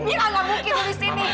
mirah nggak mungkin nulis ini